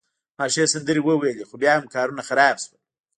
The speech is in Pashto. ما ښې سندرې وویلي، خو بیا هم کارونه خراب شول.